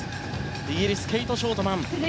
イギリスのケイト・ショートマン。